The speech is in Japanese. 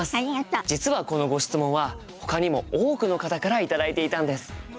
実はこのご質問はほかにも多くの方から頂いていたんです。